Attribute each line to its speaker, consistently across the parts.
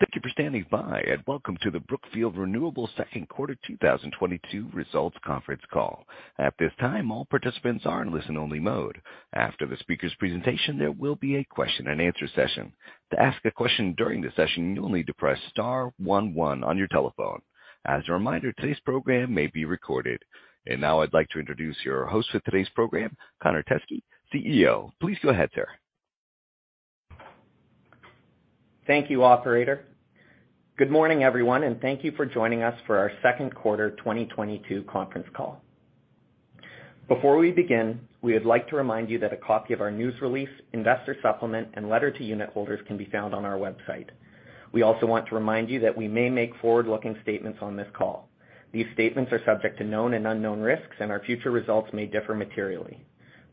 Speaker 1: Thank you for standing by, and Welcome to the Brookfield Renewable Q2 2022 Results Conference Call. At this time, all participants are in listen-only mode. After the speaker's presentation, there will be a Q&A session. To ask a question during the session, you'll need to press star one one on your telephone. As a reminder, today's program may be recorded. Now I'd like to introduce your host for today's program, Connor Teskey, CEO. Please go ahead, sir.
Speaker 2: Thank you, operator. Good morning, everyone, and thank you for joining us for our Q2 2022 Conference Call. Before we begin, we would like to remind you that a copy of our news release, investor supplement, and letter to unit holders can be found on our website. We also want to remind you that we may make forward-looking statements on this call. These statements are subject to known and unknown risks, and our future results may differ materially.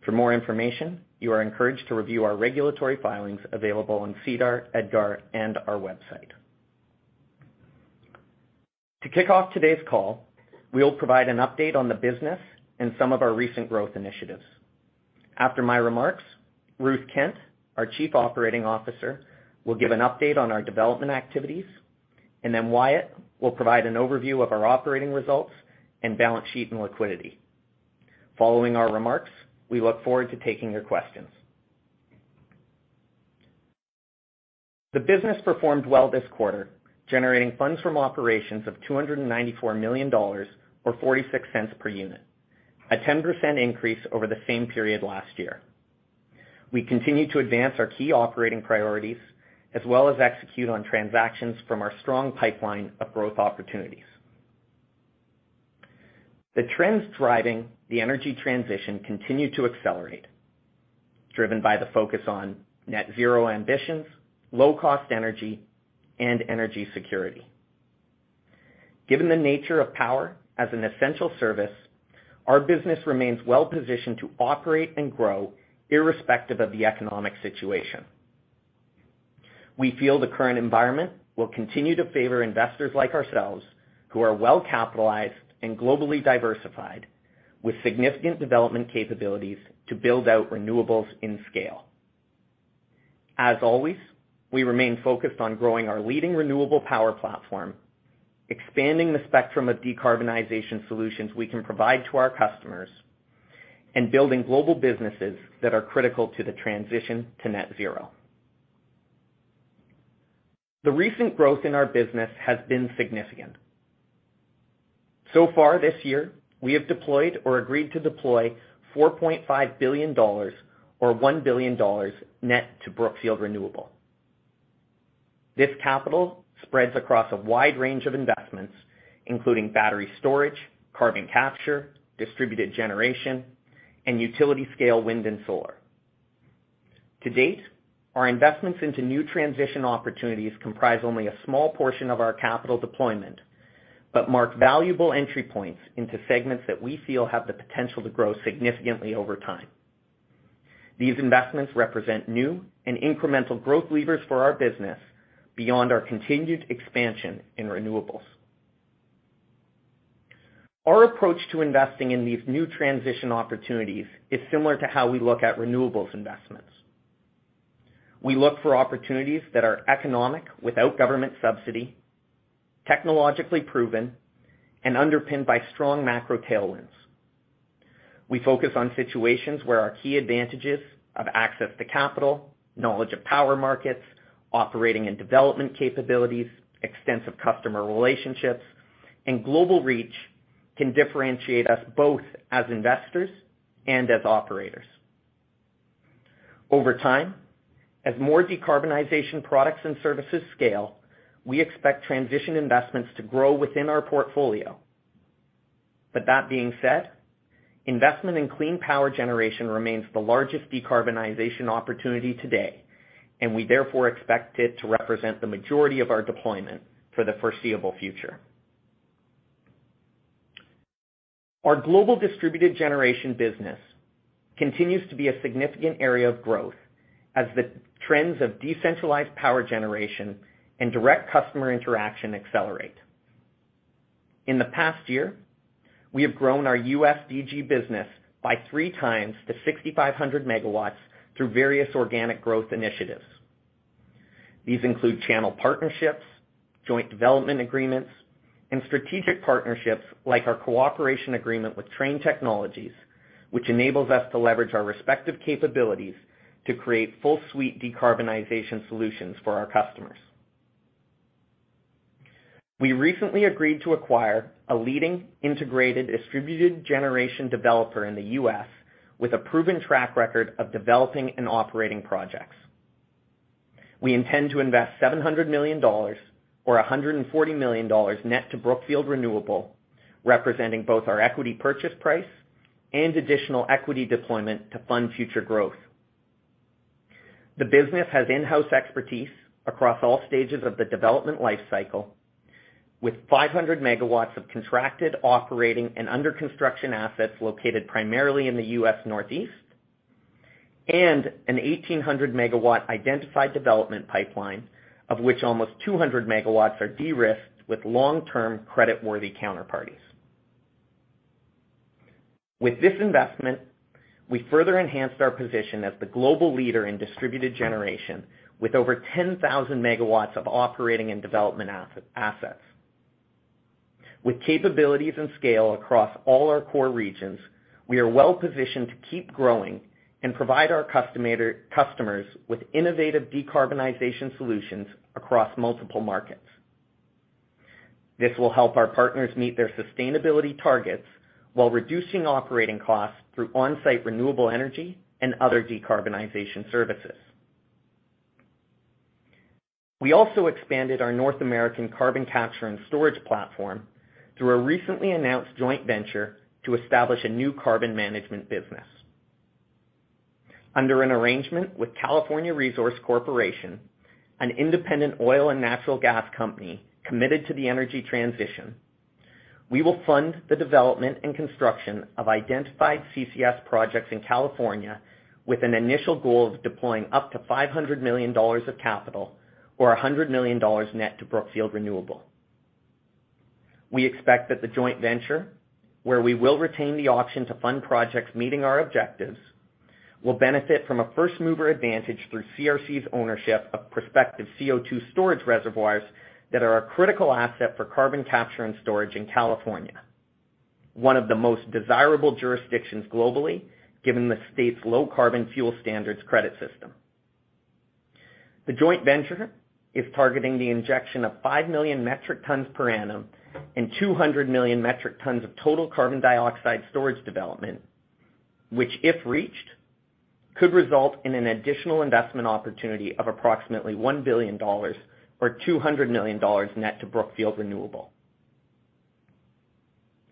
Speaker 2: For more information, you are encouraged to review our regulatory filings available on SEDAR, EDGAR, and our website. To kick off today's call, we'll provide an update on the business and some of our recent growth initiatives. After my remarks, Ruth Kent, our Chief Operating Officer, will give an update on our development activities, and then Wyatt will provide an overview of our operating results and balance sheet and liquidity. Following our remarks, we look forward to taking your questions. The business performed well this quarter, generating funds from operations of $294 million, or $0.46 per unit, a 10% increase over the same period last year. We continue to advance our key operating priorities as well as execute on transactions from our strong pipeline of growth opportunities. The trends driving the energy transition continue to accelerate, driven by the focus on net zero ambitions, low-cost energy, and energy security. Given the nature of power as an essential service, our business remains well-positioned to operate and grow irrespective of the economic situation. We feel the current environment will continue to favor investors like ourselves, who are well-capitalized and globally diversified with significant development capabilities to build out renewables in scale. As always, we remain focused on growing our leading renewable power platform, expanding the spectrum of decarbonization solutions we can provide to our customers, and building global businesses that are critical to the transition to net zero. The recent growth in our business has been significant. So far this year, we have deployed or agreed to deploy $4.5 billion, or $1 billion net to Brookfield Renewable. This capital spreads across a wide range of investments, including battery storage, carbon capture, distributed generation, and utility-scale wind and solar. To date, our investments into new transition opportunities comprise only a small portion of our capital deployment, but mark valuable entry points into segments that we feel have the potential to grow significantly over time. These investments represent new and incremental growth levers for our business beyond our continued expansion in renewables. Our approach to investing in these new transition opportunities is similar to how we look at renewables investments. We look for opportunities that are economic without government subsidy, technologically proven, and underpinned by strong macro tailwinds. We focus on situations where our key advantages of access to capital, knowledge of power markets, operating and development capabilities, extensive customer relationships, and global reach can differentiate us both as investors and as operators. Over time, as more decarbonization products and services scale, we expect transition investments to grow within our portfolio. That being said, investment in clean power generation remains the largest decarbonization opportunity today, and we therefore expect it to represent the majority of our deployment for the foreseeable future. Our global distributed generation business continues to be a significant area of growth as the trends of decentralized power generation and direct customer interaction accelerate. In the past year, we have grown our U.S. DG business by 3 times to 6,500 MW through various organic growth initiatives. These include channel partnerships, joint development agreements, and strategic partnerships like our cooperation agreement with Trane Technologies, which enables us to leverage our respective capabilities to create full suite decarbonization solutions for our customers. We recently agreed to acquire a leading integrated distributed generation developer in the U.S. with a proven track record of developing and operating projects. We intend to invest $700 million or $140 million net to Brookfield Renewable, representing both our equity purchase price and additional equity deployment to fund future growth. The business has in-house expertise across all stages of the development life cycle, with 500 MW of contracted, operating, and under-construction assets located primarily in the U.S. Northeast, and an 1,800 MW identified development pipeline, of which almost 200 MW are de-risked with long-term creditworthy counterparties. With this investment, we further enhanced our position as the global leader in distributed generation with over 10,000 MW of operating and development assets. With capabilities and scale across all our core regions, we are well-positioned to keep growing and provide our customers with innovative decarbonization solutions across multiple markets. This will help our partners meet their sustainability targets while reducing operating costs through on-site renewable energy and other decarbonization services. We also expanded our North American carbon capture and storage platform through a recently announced joint venture to establish a new carbon management business. Under an arrangement with California Resources Corporation, an independent oil and natural gas company committed to the energy transition, we will fund the development and construction of identified CCS projects in California with an initial goal of deploying up to $500 million of capital or $100 million net to Brookfield Renewable. We expect that the joint venture, where we will retain the option to fund projects meeting our objectives, will benefit from a first-mover advantage through CRC's ownership of prospective CO2 storage reservoirs that are a critical asset for carbon capture and storage in California, one of the most desirable jurisdictions globally, given the state's Low Carbon Fuel Standard credit system. The joint venture is targeting the injection of 5 million metric tons per annum and 200 million metric tons of total carbon dioxide storage development, which, if reached, could result in an additional investment opportunity of approximately $1 billion or $200 million net to Brookfield Renewable.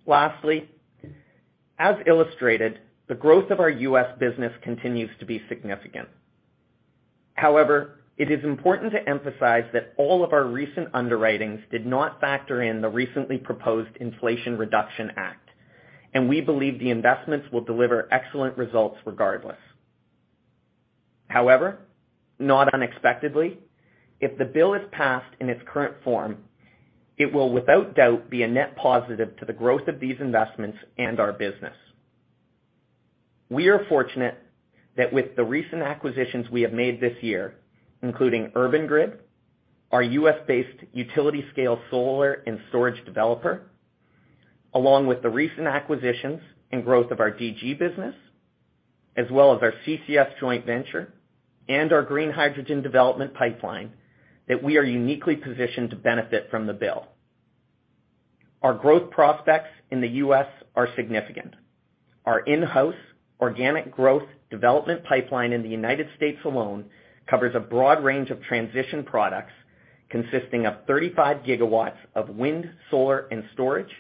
Speaker 2: Lastly, as illustrated, the growth of our U.S. business continues to be significant. However, it is important to emphasize that all of our recent underwritings did not factor in the recently proposed Inflation Reduction Act, and we believe the investments will deliver excellent results regardless. However, not unexpectedly, if the bill is passed in its current form, it will, without doubt, be a net positive to the growth of these investments and our business. We are fortunate that with the recent acquisitions we have made this year, including Urban Grid, our U.S.-based utility-scale solar and storage developer, along with the recent acquisitions and growth of our DG business, as well as our CCS joint venture and our green hydrogen development pipeline, that we are uniquely positioned to benefit from the bill. Our growth prospects in the U.S. are significant. Our in-house organic growth development pipeline in the United States alone covers a broad range of transition products consisting of 35 GW of wind, solar, and storage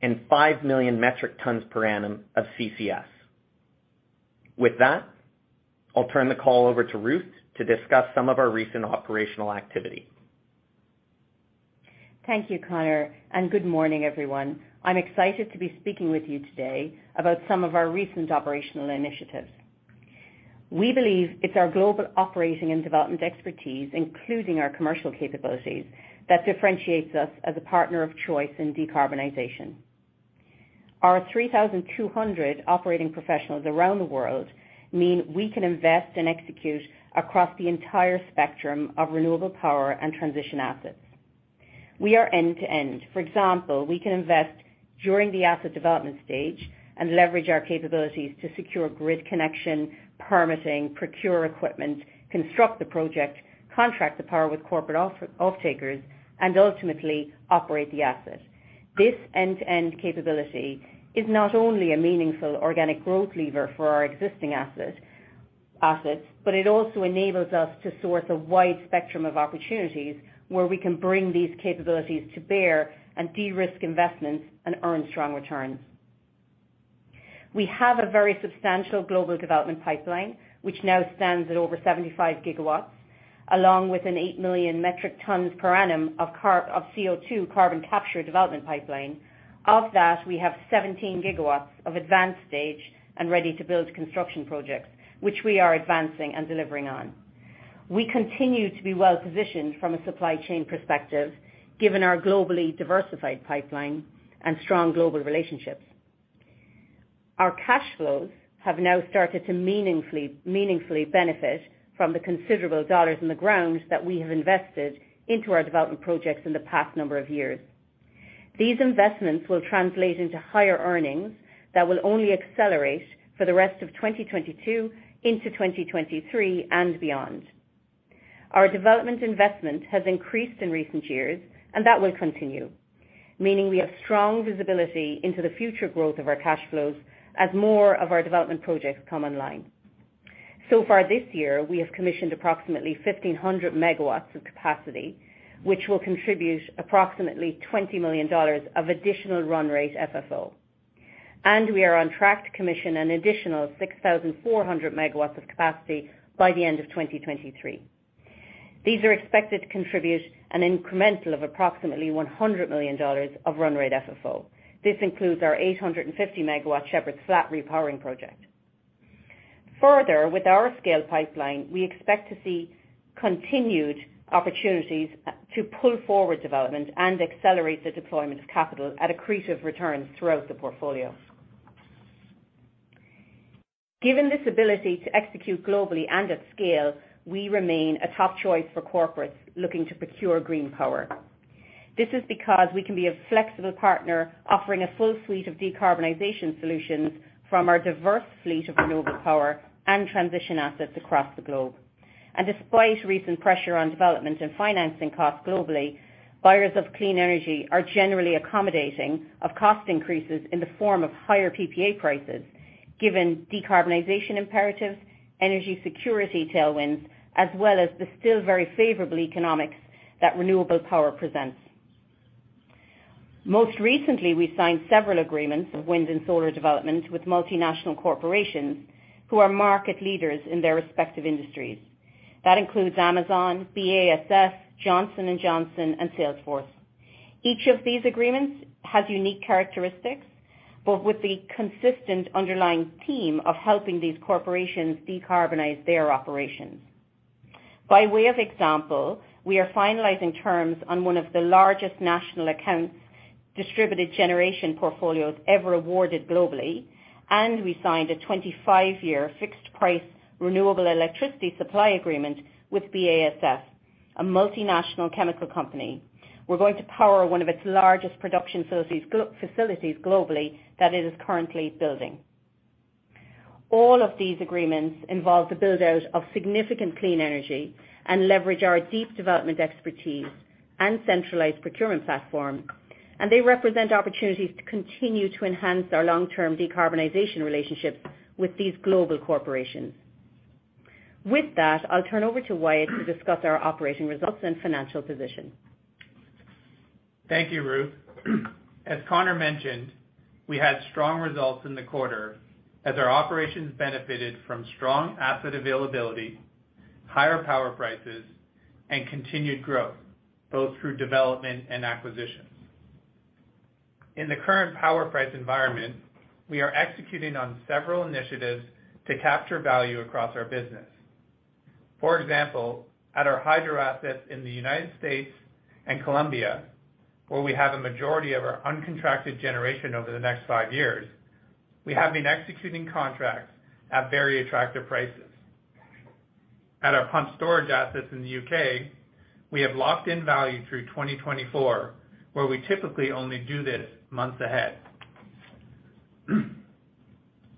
Speaker 2: and 5 million metric tons per annum of CCS. With that, I'll turn the call over to Ruth to discuss some of our recent operational activity.
Speaker 3: Thank you, Connor, and good morning, everyone. I'm excited to be speaking with you today about some of our recent operational initiatives. We believe it's our global operating and development expertise, including our commercial capabilities, that differentiates us as a partner of choice in decarbonization. Our 3,200 operating professionals around the world mean we can invest and execute across the entire spectrum of renewable power and transition assets. We are end-to-end. For example, we can invest during the asset development stage and leverage our capabilities to secure grid connection, permitting, procure equipment, construct the project, contract the power with corporate off-takers, and ultimately operate the asset. This end-to-end capability is not only a meaningful organic growth lever for our existing assets, but it also enables us to source a wide spectrum of opportunities where we can bring these capabilities to bear and de-risk investments and earn strong returns. We have a very substantial global development pipeline, which now stands at over 75 GW, along with an 8 million metric tons per annum of CO2 carbon capture development pipeline. Of that, we have 17 GW of advanced stage and ready-to-build construction projects, which we are advancing and delivering on. We continue to be well-positioned from a supply chain perspective, given our globally diversified pipeline and strong global relationships. Our cash flows have now started to meaningfully benefit from the considerable dollars in the ground that we have invested into our development projects in the past number of years. These investments will translate into higher earnings that will only accelerate for the rest of 2022 into 2023 and beyond. Our development investment has increased in recent years, and that will continue, meaning we have strong visibility into the future growth of our cash flows as more of our development projects come online. So far this year, we have commissioned approximately 1,500 MW of capacity, which will contribute approximately $20 million of additional Run Rate FFO. We are on track to commission an additional 6,400 MW of capacity by the end of 2023. These are expected to contribute an incremental of approximately $100 million of Run Rate FFO. This includes our 850 MW Shepherds Flat repowering project. Further, with our scale pipeline, we expect to see continued opportunities to pull forward development and accelerate the deployment of capital at accretive returns throughout the portfolio. Given this ability to execute globally and at scale, we remain a top choice for corporates looking to procure green power. This is because we can be a flexible partner offering a full suite of decarbonization solutions from our diverse fleet of renewable power and transition assets across the globe. Despite recent pressure on development and financing costs globally, buyers of clean energy are generally accommodating of cost increases in the form of higher PPA prices, given decarbonization imperatives, energy security tailwinds, as well as the still very favorable economics that renewable power presents. Most recently, we signed several agreements of wind and solar development with multinational corporations who are market leaders in their respective industries. That includes Amazon, BASF, Johnson & Johnson, and Salesforce. Each of these agreements has unique characteristics, but with the consistent underlying theme of helping these corporations decarbonize their operations. By way of example, we are finalizing terms on one of the largest national accounts distributed generation portfolios ever awarded globally, and we signed a 25-year fixed-price renewable electricity supply agreement with BASF, a multinational chemical company. We're going to power one of its largest production facilities globally that it is currently building. All of these agreements involve the build-out of significant clean energy and leverage our deep development expertise and centralized procurement platform, and they represent opportunities to continue to enhance our long-term decarbonization relationships with these global corporations. With that, I'll turn over to Wyatt to discuss our operating results and financial position.
Speaker 4: Thank you, Ruth. As Connor mentioned, we had strong results in the quarter as our operations benefited from strong asset availability, higher power prices, and continued growth, both through development and acquisitions. In the current power price environment, we are executing on several initiatives to capture value across our business. For example, at our hydro assets in the United States and Colombia, where we have a majority of our uncontracted generation over the next five years, we have been executing contracts at very attractive prices. At our pumped storage assets in the U.K., we have locked in value through 2024, where we typically only do this months ahead.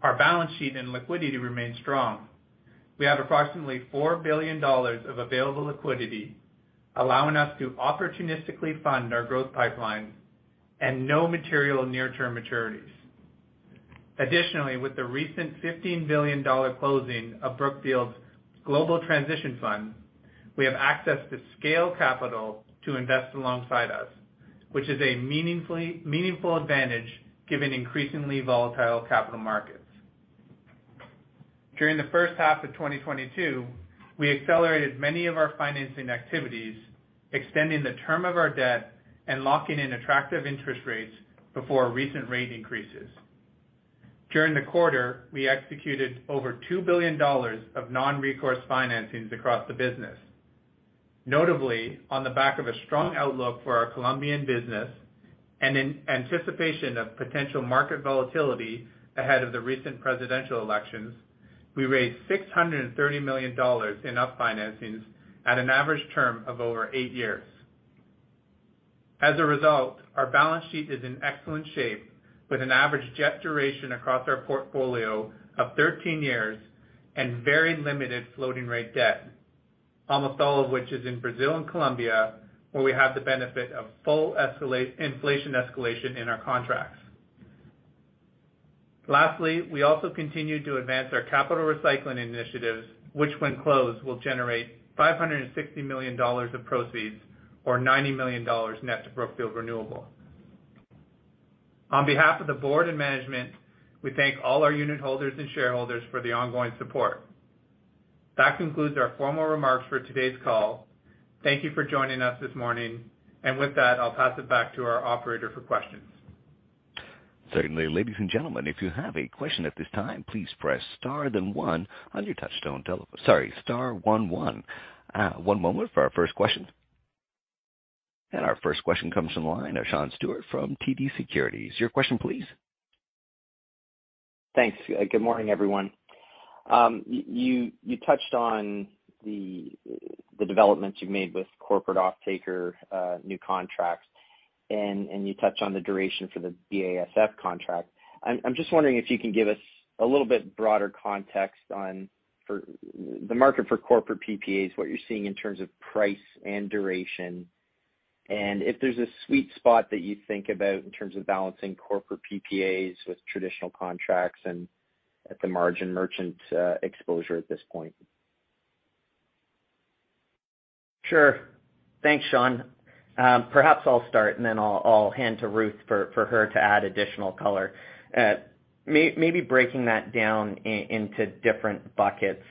Speaker 4: Our balance sheet and liquidity remain strong. We have approximately $4 billion of available liquidity, allowing us to opportunistically fund our growth pipeline and no material near-term maturities. Additionally, with the recent $15 billion closing of Brookfield Global Transition Fund, we have access to scale capital to invest alongside us, which is a meaningful advantage given increasingly volatile capital markets. During the H1 of 2022, we accelerated many of our financing activities, extending the term of our debt and locking in attractive interest rates before recent rate increases. During the quarter, we executed over $2 billion of non-recourse financings across the business. Notably, on the back of a strong outlook for our Colombian business and in anticipation of potential market volatility ahead of the recent presidential elections, we raised $630 million in up financings at an average term of over 8 years. As a result, our balance sheet is in excellent shape with an average debt duration across our portfolio of 13 years and very limited floating rate debt, almost all of which is in Brazil and Colombia, where we have the benefit of full inflation escalation in our contracts. Lastly, we also continue to advance our capital recycling initiatives, which when closed, will generate $560 million of proceeds or $90 million net to Brookfield Renewable. On behalf of the board and management, we thank all our unit holders and shareholders for the ongoing support. That concludes our formal remarks for today's call. Thank you for joining us this morning. With that, I'll pass it back to our operator for questions.
Speaker 1: Certainly. Ladies and gentlemen, if you have a question at this time, please press star then one on your touchtone telephone. Sorry, star one one. One moment for our first question. Our first question comes from the line of Sean Steuart from TD Securities. Your question, please.
Speaker 5: Thanks. Good morning, everyone. You touched on the developments you've made with corporate offtaker, new contracts, and you touched on the duration for the BASF contract. I'm just wondering if you can give us a little bit broader context on the market for corporate PPAs, what you're seeing in terms of price and duration. If there's a sweet spot that you think about in terms of balancing corporate PPAs with traditional contracts and at the margin merchant exposure at this point.
Speaker 2: Sure. Thanks, Sean. Perhaps I'll start and then I'll hand to Ruth for her to add additional color. Maybe breaking that down into different buckets.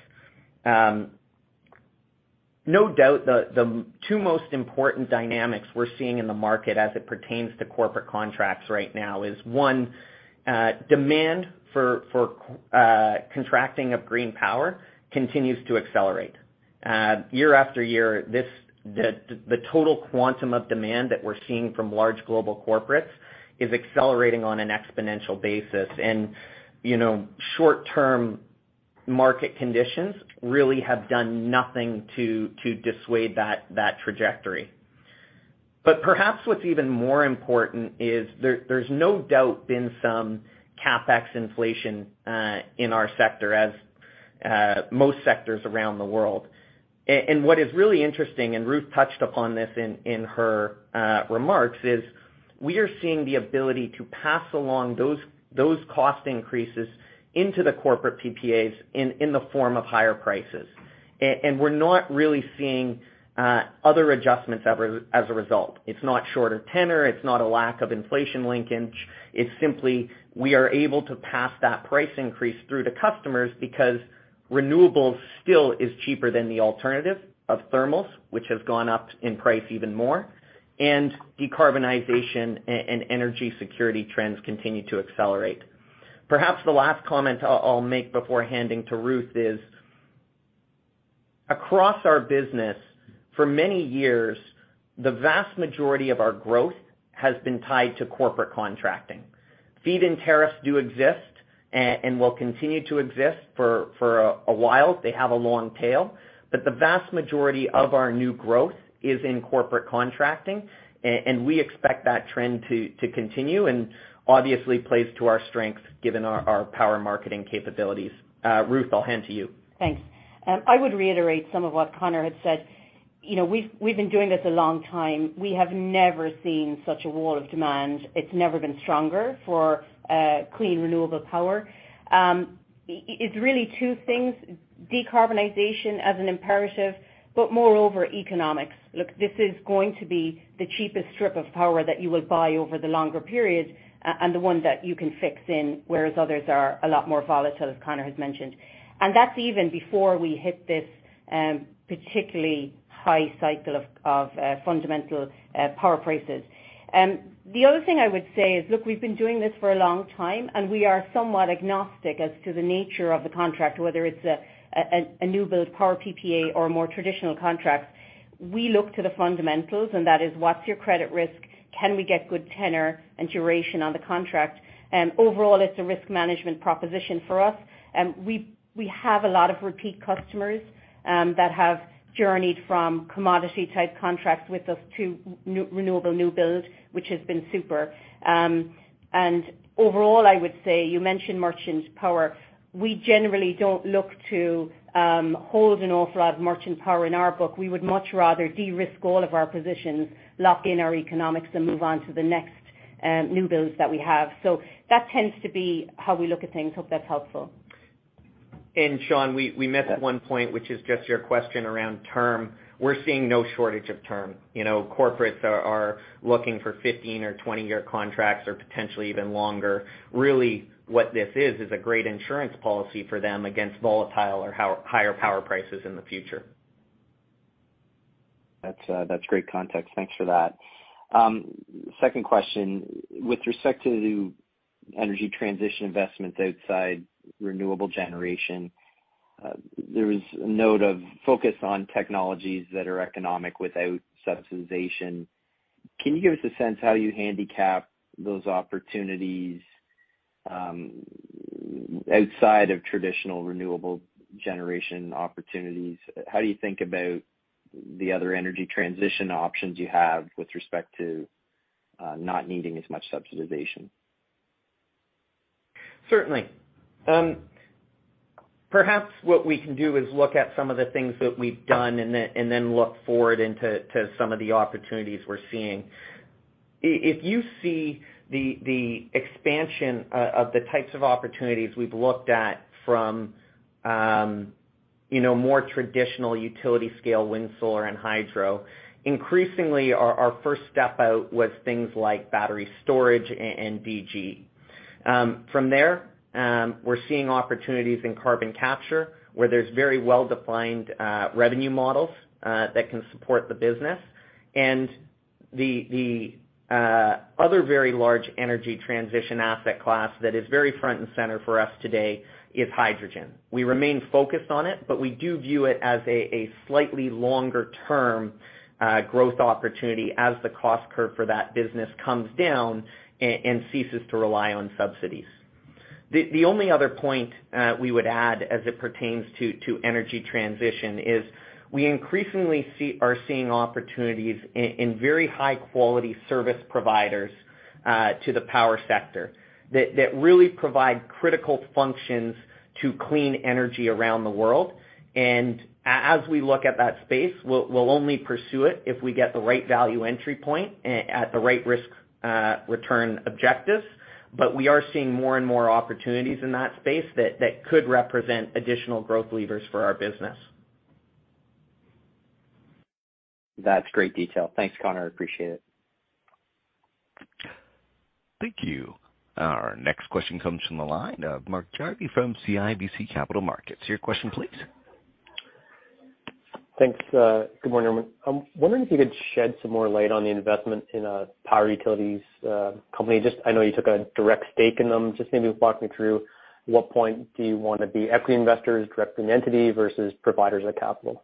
Speaker 2: No doubt the two most important dynamics we're seeing in the market as it pertains to corporate contracts right now is one, demand for contracting of green power continues to accelerate. Year after year, the total quantum of demand that we're seeing from large global corporates is accelerating on an exponential basis. You know, short-term market conditions really have done nothing to dissuade that trajectory. Perhaps what's even more important is there's no doubt been some CapEx inflation in our sector as most sectors around the world. What is really interesting, and Ruth touched upon this in her remarks, is we are seeing the ability to pass along those cost increases into the corporate PPAs in the form of higher prices. We're not really seeing other adjustments as a result. It's not shorter tenor, it's not a lack of inflation linkage. It's simply we are able to pass that price increase through to customers because renewables still is cheaper than the alternative of thermals, which have gone up in price even more, and decarbonization and energy security trends continue to accelerate. Perhaps the last comment I'll make before handing to Ruth is across our business for many years, the vast majority of our growth has been tied to corporate contracting. Feed-in tariffs do exist and will continue to exist for a while. They have a long tail. The vast majority of our new growth is in corporate contracting. We expect that trend to continue, and obviously plays to our strengths given our power marketing capabilities. Ruth, I'll hand to you.
Speaker 3: Thanks. I would reiterate some of what Connor had said. You know, we've been doing this a long time. We have never seen such a wall of demand. It's never been stronger for clean, renewable power. It's really two things. Decarbonization as an imperative, but moreover, economics. Look, this is going to be the cheapest strip of power that you will buy over the longer period, and the one that you can fix in, whereas others are a lot more volatile, as Connor has mentioned. That's even before we hit this particularly high cycle of fundamental power prices. The other thing I would say is, look, we've been doing this for a long time, and we are somewhat agnostic as to the nature of the contract, whether it's a new-build power PPA or a more traditional contract. We look to the fundamentals, and that is what's your credit risk? Can we get good tenor and duration on the contract? Overall, it's a risk management proposition for us. We have a lot of repeat customers that have journeyed from commodity-type contracts with us to new renewable new build, which has been super. Overall, I would say you mentioned merchant power. We generally don't look to hold an awful lot of merchant power in our book. We would much rather de-risk all of our positions, lock in our economics, and move on to the next new builds that we have. That tends to be how we look at things. Hope that's helpful.
Speaker 2: Sean, we missed one point, which is just your question around term. We're seeing no shortage of term. You know, corporates are looking for 15-year or 20-year contracts or potentially even longer. Really, what this is a great insurance policy for them against volatile or higher power prices in the future.
Speaker 5: That's great context. Thanks for that. Second question. With respect to the energy transition investments outside renewable generation, there was a note of focus on technologies that are economic without subsidization. Can you give us a sense how you handicap those opportunities, outside of traditional renewable generation opportunities? How do you think about the other energy transition options you have with respect to, not needing as much subsidization?
Speaker 2: Certainly. Perhaps what we can do is look at some of the things that we've done and then look forward to some of the opportunities we're seeing. If you see the expansion of the types of opportunities we've looked at from, you know, more traditional utility-scale wind, solar, and hydro, increasingly our first step out was things like battery storage and DG. From there, we're seeing opportunities in carbon capture, where there's very well-defined revenue models that can support the business. The other very large energy transition asset class that is very front and center for us today is hydrogen. We remain focused on it, but we do view it as a slightly longer-term growth opportunity as the cost curve for that business comes down and ceases to rely on subsidies. The only other point we would add as it pertains to energy transition is we increasingly are seeing opportunities in very high-quality service providers to the power sector that really provide critical functions to clean energy around the world. As we look at that space, we'll only pursue it if we get the right value entry point at the right risk return objectives. We are seeing more and more opportunities in that space that could represent additional growth levers for our business.
Speaker 5: That's great detail. Thanks, Connor. Appreciate it.
Speaker 1: Thank you. Our next question comes from the line of Mark Jarvi from CIBC Capital Markets. Your question please.
Speaker 6: Thanks. Good morning, everyone. I'm wondering if you could shed some more light on the investment in a power utilities company. Just, I know you took a direct stake in them. Just maybe walk me through what point do you wanna be equity investors, direct in the entity versus providers of capital?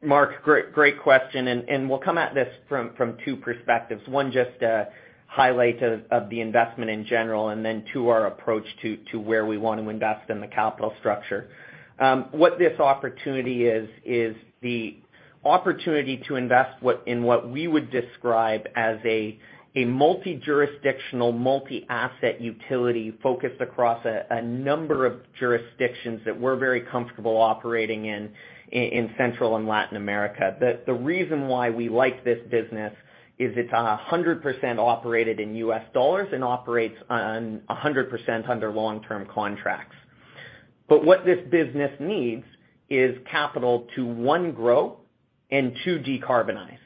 Speaker 2: Mark, great question, and we'll come at this from two perspectives. One, just a highlight of the investment in general, and then two, our approach to where we want to invest in the capital structure. What this opportunity is the opportunity to invest in what we would describe as a multi-jurisdictional, multi-asset utility focused across a number of jurisdictions that we're very comfortable operating in Central and Latin America. The reason why we like this business is it's 100% operated in U.S. dollars and operates on 100% under long-term contracts. What this business needs is capital to one, grow and two, decarbonize.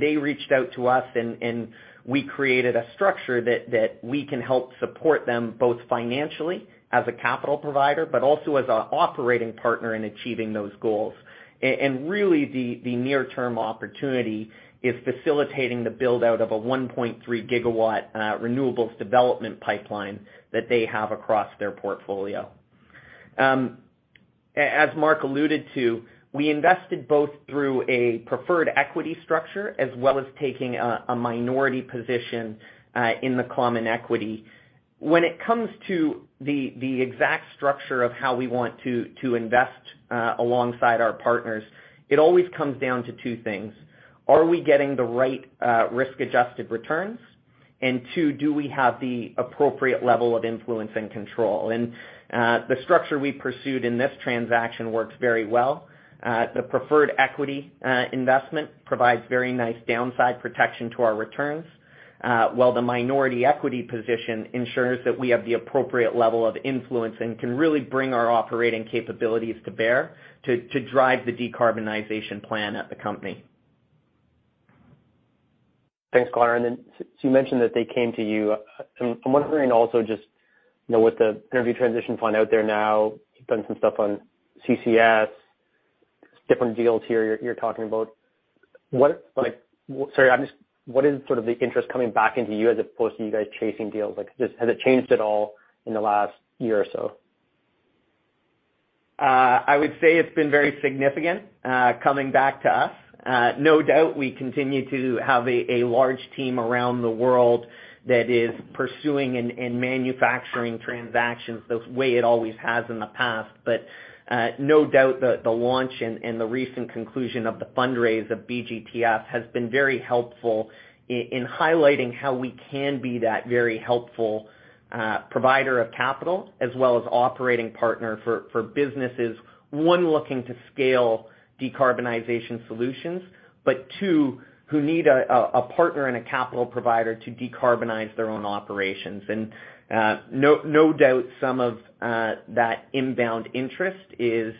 Speaker 2: They reached out to us and we created a structure that we can help support them both financially as a capital provider, but also as an operating partner in achieving those goals. Really the near term opportunity is facilitating the build-out of a 1.3 GW renewables development pipeline that they have across their portfolio. As Mark alluded to, we invested both through a preferred equity structure as well as taking a minority position in the common equity. When it comes to the exact structure of how we want to invest alongside our partners, it always comes down to two things. Are we getting the right risk-adjusted returns? Two, do we have the appropriate level of influence and control? The structure we pursued in this transaction works very well. The preferred equity investment provides very nice downside protection to our returns, while the minority equity position ensures that we have the appropriate level of influence and can really bring our operating capabilities to bear to drive the decarbonization plan at the company.
Speaker 6: Thanks, Connor. You mentioned that they came to you. I'm wondering also just, you know, with the Global Transition Fund out there now, you've done some stuff on CCS, different deals here you're talking about, what, like? What is sort of the interest coming back into you as opposed to you guys chasing deals? Like, just has it changed at all in the last year or so?
Speaker 2: I would say it's been very significant, coming back to us. No doubt we continue to have a large team around the world that is pursuing and manufacturing transactions the way it always has in the past. No doubt the launch and the recent conclusion of the fundraise of BGTF has been very helpful in highlighting how we can be that very helpful provider of capital as well as operating partner for businesses, one, looking to scale decarbonization solutions, but two, who need a partner and a capital provider to decarbonize their own operations. No doubt some of that inbound interest is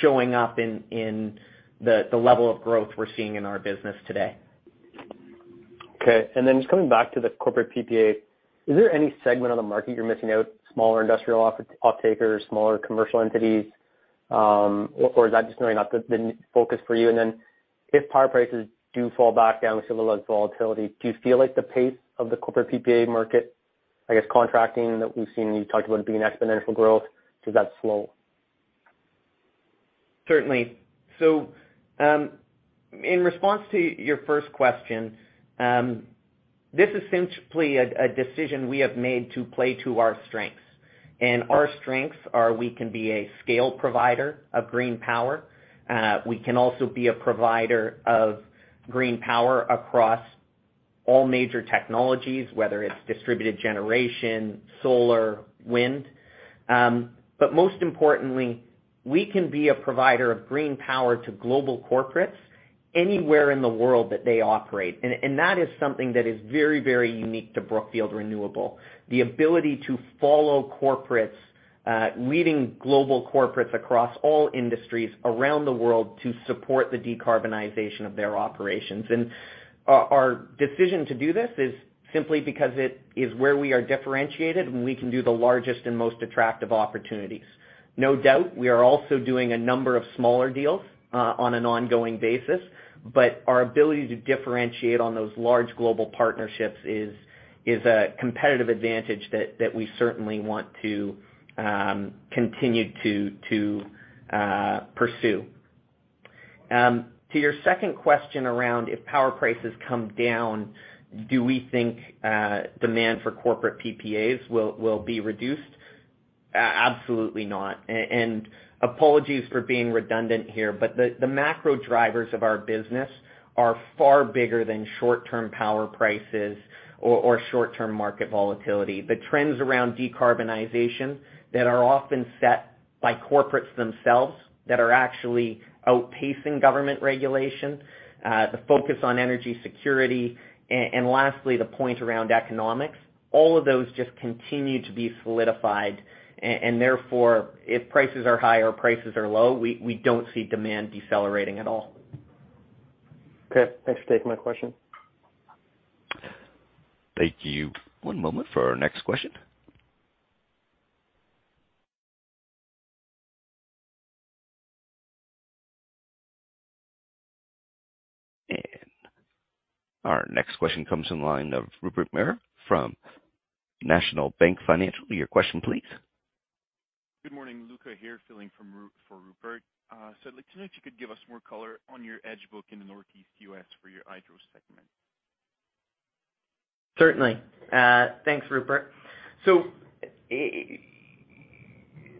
Speaker 2: showing up in the level of growth we're seeing in our business today.
Speaker 6: Okay. Just coming back to the corporate PPA, is there any segment of the market you're missing out, smaller industrial off-takers, smaller commercial entities? Or is that just really not the focus for you? If power prices do fall back down, we see a little less volatility, do you feel like the pace of the corporate PPA market, I guess contracting that we've seen, you talked about it being exponential growth, does that slow?
Speaker 2: Certainly. In response to your first question, this is simply a decision we have made to play to our strengths. Our strengths are we can be a scale provider of green power. We can also be a provider of green power across all major technologies, whether it's distributed generation, solar, wind. Most importantly, we can be a provider of green power to global corporates anywhere in the world that they operate. That is something that is very, very unique to Brookfield Renewable, the ability to follow corporates, leading global corporates across all industries around the world to support the decarbonization of their operations. Our decision to do this is simply because it is where we are differentiated, and we can do the largest and most attractive opportunities. No doubt, we are also doing a number of smaller deals on an ongoing basis, but our ability to differentiate on those large global partnerships is a competitive advantage that we certainly want to continue to pursue. To your second question around if power prices come down, do we think demand for corporate PPAs will be reduced? Absolutely not. Apologies for being redundant here, but the macro drivers of our business are far bigger than short-term power prices or short-term market volatility. The trends around decarbonization that are often set by corporates themselves that are actually outpacing government regulation, the focus on energy security, and lastly, the point around economics, all of those just continue to be solidified. Therefore, if prices are high or prices are low, we don't see demand decelerating at all.
Speaker 6: Okay. Thanks for taking my question.
Speaker 1: Thank you. One moment for our next question. Our next question comes in line of Rupert Merer from National Bank Financial. Your question please.
Speaker 7: Good morning, Luca here filling for Rupert. I'd like to know if you could give us more color on your hedge book in the Northeast U.S. for your hydro segment.
Speaker 2: Certainly. Thanks, Rupert.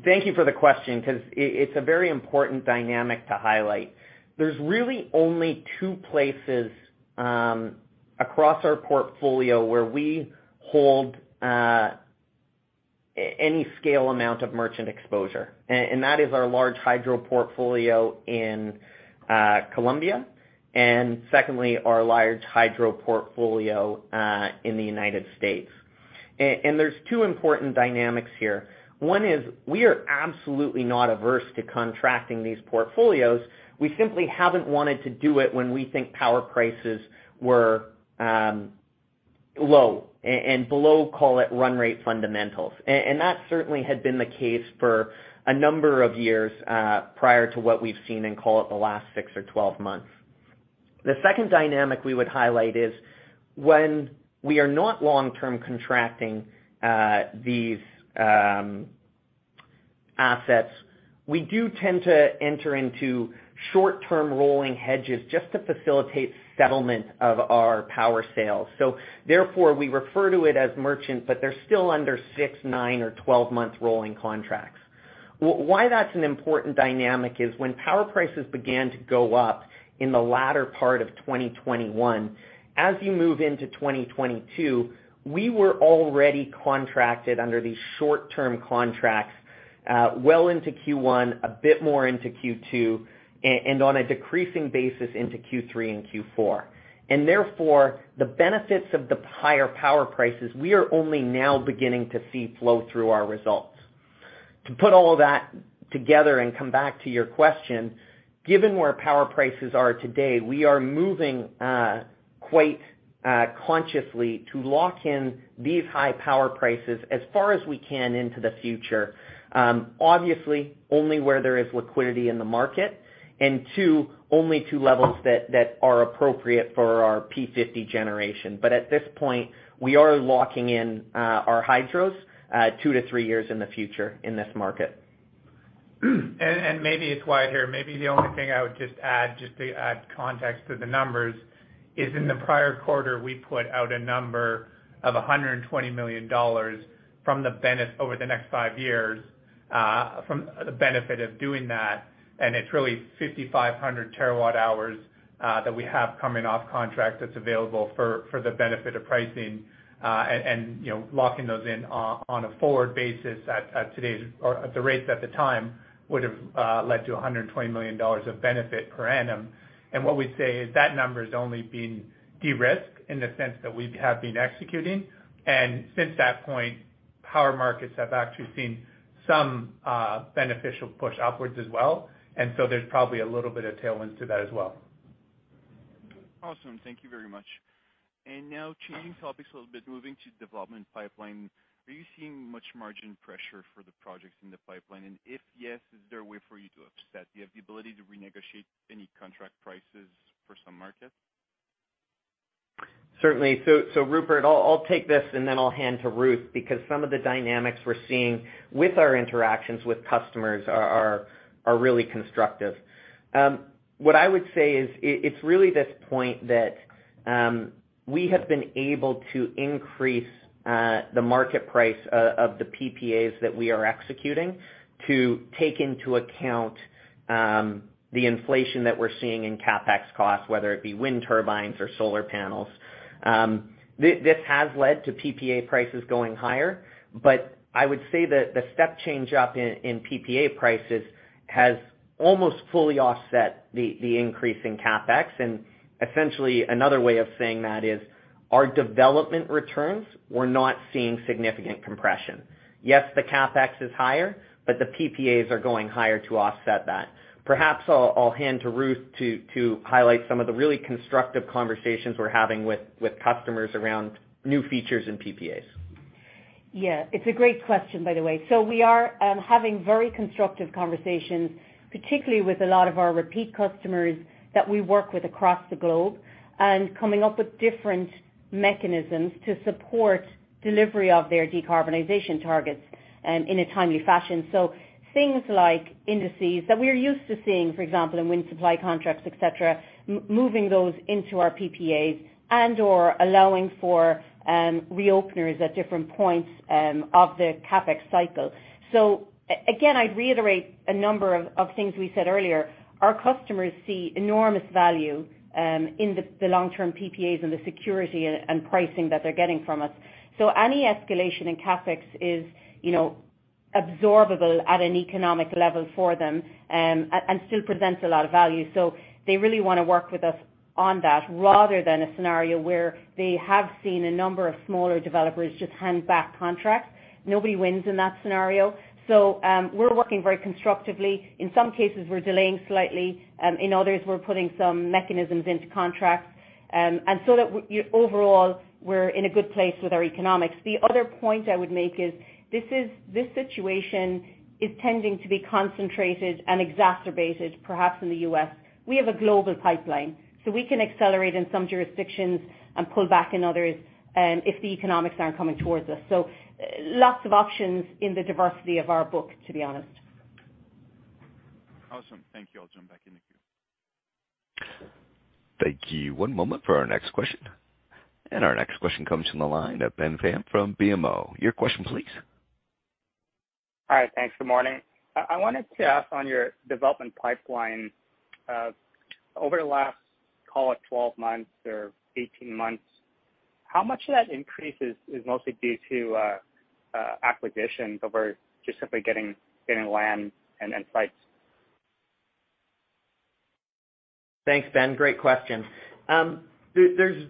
Speaker 2: Thank you for the question, because it's a very important dynamic to highlight. There's really only 2 places across our portfolio where we hold any scale amount of merchant exposure. That is our large hydro portfolio in Colombia, and secondly, our large hydro portfolio in the United States. There's 2 important dynamics here. One is we are absolutely not averse to contracting these portfolios. We simply haven't wanted to do it when we think power prices were low and below, call it, run rate fundamentals. That certainly had been the case for a number of years prior to what we've seen in, call it, the last 6 or 12 months. The second dynamic we would highlight is when we are not long-term contracting these assets, we do tend to enter into short-term rolling hedges just to facilitate settlement of our power sales. Therefore, we refer to it as merchant, but they're still under 6-month, 9-month, or 12-month rolling contracts. Why that's an important dynamic is when power prices began to go up in the latter part of 2021, as you move into 2022, we were already contracted under these short-term contracts well into Q1, a bit more into Q2, and on a decreasing basis into Q3 and Q4. Therefore, the benefits of the higher power prices, we are only now beginning to see flow through our results. To put all of that together and come back to your question, given where power prices are today, we are moving quite consciously to lock in these high power prices as far as we can into the future, obviously only where there is liquidity in the market, and two, only to levels that are appropriate for our P50 generation. At this point, we are locking in our hydros 2-3 years in the future in this market.
Speaker 4: Maybe it's Wyatt here. Maybe the only thing I would just add, just to add context to the numbers, is in the prior quarter, we put out a number of $120 million over the next 5 years from the benefit of doing that, and it's really 5,500 terawatt hours that we have coming off contract that's available for the benefit of pricing, and you know, locking those in on a forward basis at today's or at the rates at the time would have led to $120 million of benefit per annum. What we'd say is that number is only being de-risked in the sense that we have been executing. Since that point, power markets have actually seen some beneficial push upwards as well. There's probably a little bit of tailwinds to that as well.
Speaker 7: Awesome. Thank you very much. Now changing topics a little bit, moving to development pipeline. Are you seeing much margin pressure for the projects in the pipeline? If yes, is there a way for you to offset? Do you have the ability to renegotiate any contract prices for some markets?
Speaker 2: Certainly. Rupert, I'll take this and then I'll hand to Ruth, because some of the dynamics we're seeing with our interactions with customers are really constructive. What I would say is it's really this point that we have been able to increase the market price of the PPAs that we are executing to take into account the inflation that we're seeing in CapEx costs, whether it be wind turbines or solar panels. This has led to PPA prices going higher, but I would say that the step change up in PPA prices has almost fully offset the increase in CapEx. Essentially, another way of saying that is our development returns we're not seeing significant compression. Yes, the CapEx is higher, but the PPAs are going higher to offset that. Perhaps I'll hand to Ruth to highlight some of the really constructive conversations we're having with customers around new features in PPAs.
Speaker 3: Yeah. It's a great question, by the way. We are having very constructive conversations, particularly with a lot of our repeat customers that we work with across the globe, and coming up with different mechanisms to support delivery of their decarbonization targets in a timely fashion. Things like indices that we are used to seeing, for example, in wind supply contracts, et cetera, moving those into our PPAs and/or allowing for reopeners at different points of the CapEx cycle. Again, I'd reiterate a number of things we said earlier. Our customers see enormous value in the long-term PPAs and the security and pricing that they're getting from us. Any escalation in CapEx is, you know, absorbable at an economic level for them and still presents a lot of value. They really wanna work with us on that rather than a scenario where they have seen a number of smaller developers just hand back contracts. Nobody wins in that scenario. We're working very constructively. In some cases, we're delaying slightly. In others, we're putting some mechanisms into contracts. Overall, we're in a good place with our economics. The other point I would make is this situation is tending to be concentrated and exacerbated, perhaps in the U.S. We have a global pipeline, so we can accelerate in some jurisdictions and pull back in others, if the economics aren't coming towards us. Lots of options in the diversity of our book, to be honest.
Speaker 7: Awesome. Thank you. I'll jump back in the queue.
Speaker 1: Thank you. One moment for our next question. Our next question comes from the line of Ben Pham from BMO. Your question please.
Speaker 8: All right, thanks. Good morning. I wanted to ask on your development pipeline, over the last, call it 12 months or 18 months, how much of that increase is mostly due to acquisitions over just simply getting land and sites?
Speaker 2: Thanks, Ben. Great question. There's